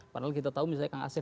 padahal kita tahu misalnya kang asep